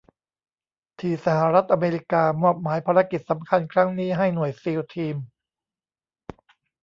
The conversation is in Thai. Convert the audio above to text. ที่สหรัฐอเมริกามอบหมายภารกิจสำคัญครั้งนี้ให้หน่วยซีลทีม